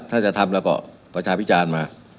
ถ้าจะทำแล้วก็ประชาพิจารณ์มา